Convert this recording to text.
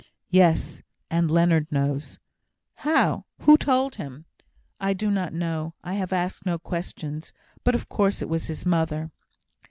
"Yes. And Leonard knows." "How? Who told him?" "I do not know. I have asked no questions. But of course it was his mother."